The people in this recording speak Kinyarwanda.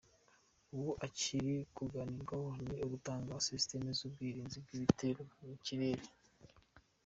Ubu ikiri kuganirwaho ni ugutanga systems z’ubwirinzi bw’ibitero byo mu kirere.”